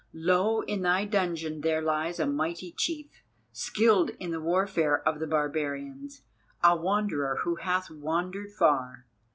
Low in thy dungeon there lies a mighty chief, skilled in the warfare of the barbarians, a Wanderer who hath wandered far.